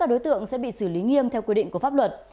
ba đối tượng sẽ bị xử lý nghiêm theo quy định của pháp luật